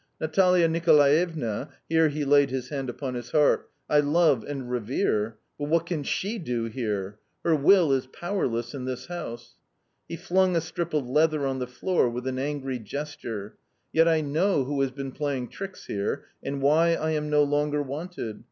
Natalia Nicolaevna" here he laid his hand upon his heart "I love and revere, but what can SHE I do here? Her will is powerless in this house." He flung a strip of leather on the floor with an angry gesture. "Yet I know who has been playing tricks here, and why I am no longer wanted.